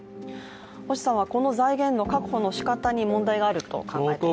星さんはこの財源の確保のしかたに問題があると考えていらっしゃる？